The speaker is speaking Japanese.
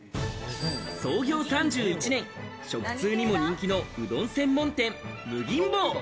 創業３１年、食通にも人気のうどん専門店、夢吟坊。